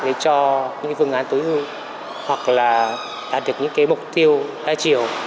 để cho những vương án tối ưu hoặc là đạt được những mục tiêu đa chiều